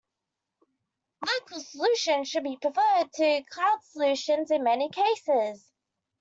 Local solutions should be preferred to cloud solutions in many cases.